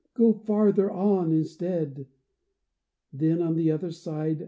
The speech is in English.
Go farther on instead." Then, on the other side.